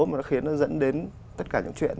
mà nó khiến nó dẫn đến tất cả những chuyện